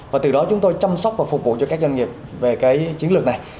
và từ đó chúng tôi chăm sóc và phục vụ cho các doanh nghiệp về cái chiến lược này